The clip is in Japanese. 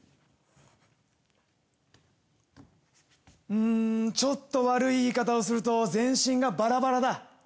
うんちょっと悪い言い方をすると全身がバラバラだ。